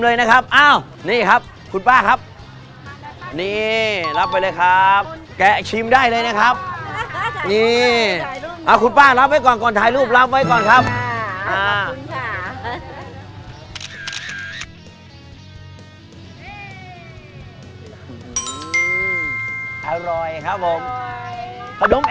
อื้อหือมีใบหัวละพาด้วยนะหอม